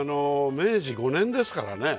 明治５年ですからね。